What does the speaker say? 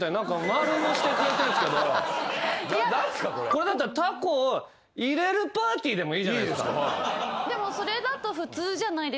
これだったら「タこをイれるパーティー」でもいいじゃない。